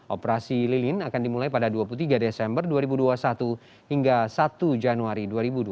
operasi lilin akan dimulai pada dua puluh tiga desember dua ribu dua puluh satu hingga satu januari dua ribu dua puluh